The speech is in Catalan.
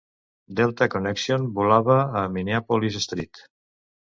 Delta Connection volava a Minneapolis-St.